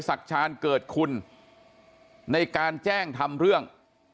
ชาญเกิดคุณในการแจ้งทำเรื่อง